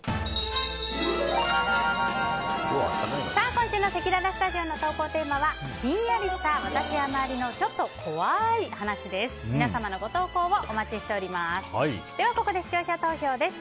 今週のせきららスタジオの投稿テーマはヒンヤリした私や周りのちょっと怖い話です。